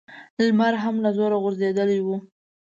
لمر هم له زوره غورځېدلی و.